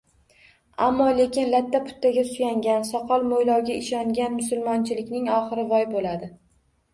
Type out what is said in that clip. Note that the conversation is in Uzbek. Ammo-lekin latta-puttaga suyangan, soqol-mo‘ylovga ishongan musulmonchilikni oxiri voy bo‘ladi.